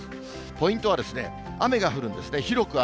ポイントは雨が降るんですね、広く雨。